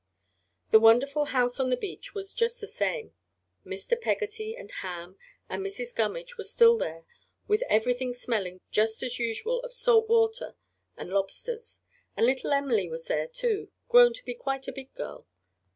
The wonderful house on the beach was just the same. Mr. Peggotty and Ham and Mrs. Gummidge were still there, with everything smelling just as usual of salt water and lobsters; and little Em'ly was there, too, grown to be quite a big girl.